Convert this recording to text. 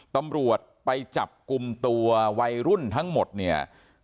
ตำรวจไปจับกลุ่มตัววัยรุ่นทั้งหมดเนี่ย